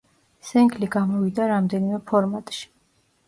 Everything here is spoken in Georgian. სინგლი გამოვიდა რამდენიმე ფორმატში.